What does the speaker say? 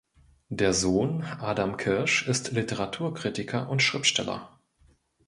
Der Sohn Adam Kirsch ist Literaturkritiker und Schriftsteller.